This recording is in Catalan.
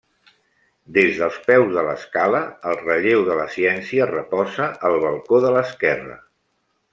Des dels peus de l’escala, el relleu de la Ciència reposa al balcó de l’esquerra.